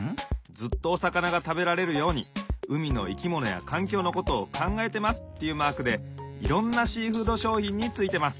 ・ずっとおさかながたべられるように海のいきものやかんきょうのことをかんがえてますっていうマークでいろんなシーフードしょうひんについてます。